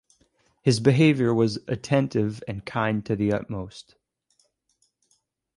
His behaviour was attentive and kind to the utmost.